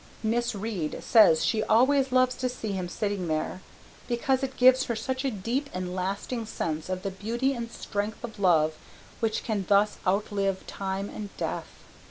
Miss Reade says she always loves to see him sitting there because it gives her such a deep and lasting sense of the beauty and strength of love which can thus outlive time and death.